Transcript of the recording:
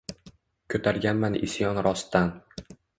Ko’targanman isyon rostdan